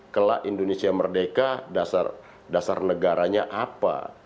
kelak indonesia merdeka dasar negaranya apa